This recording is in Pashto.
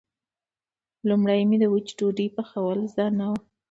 لومړی مې د وچې ډوډۍ پخول زده نه و.